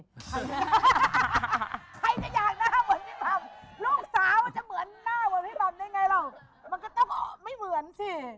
มันก็ต้องไม่เหมือนสิ